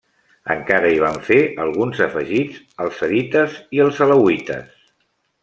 Encara hi van fer alguns afegits els sadites i els alauites.